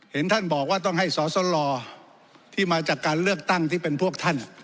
เห็นท่านบอกว่าต้องให้สอสลที่มาจากการเลือกตั้งที่เป็นพวกท่าน